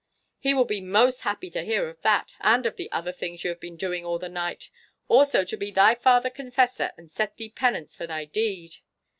He will be most happy to hear of that, and of the other things you have been doing all the night. Also to be thy father confessor and set thee penance for thy deed!